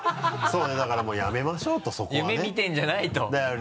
そうねだからもうやめましょうとそこはね。夢見てんじゃないと。